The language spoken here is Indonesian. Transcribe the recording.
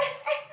eh eh aduh